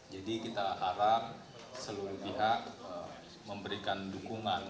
jadi kita harap seluruh pihak memberikan dukungan